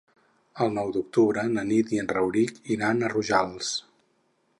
El nou d'octubre na Nit i en Rauric iran a Rojals.